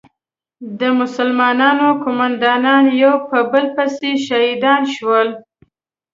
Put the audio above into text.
د مسلمانانو قومندانان یو په بل پسې شهیدان شول.